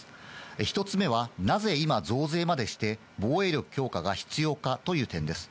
１つ目はなぜ今、増税までして防衛力強化が必要かという点です。